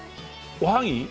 おはぎ？